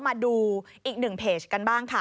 มาดูอีกหนึ่งเพจกันบ้างค่ะ